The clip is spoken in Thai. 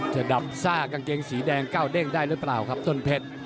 จะดำซ่ากางเกงสีแดงก้าวเด้งได้หรือเปล่าครับต้นเพชร